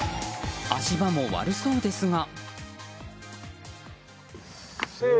足場も悪そうですが。